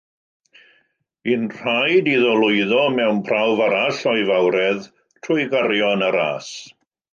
Bu'n rhaid iddo lwyddo mewn prawf arall o'i fawredd trwy gario yn y ras.